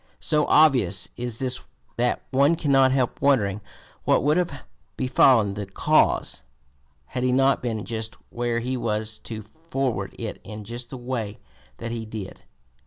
So obvious is this that one cannot help wondering what would have befallen the cause, had he not been just where he was to forward it in just the way that he did.